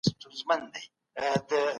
چي بدل سي په ټولنه کي کسبونه